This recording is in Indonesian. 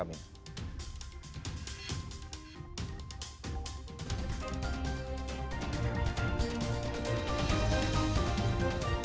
sampai jumpa di pondok labu